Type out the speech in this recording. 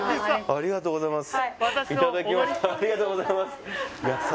ありがとうございます